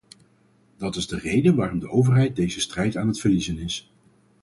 Dat is de reden waarom de overheid deze strijd aan het verliezen is.